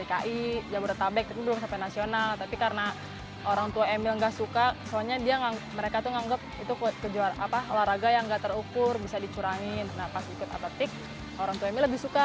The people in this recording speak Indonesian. atletik putri indonesia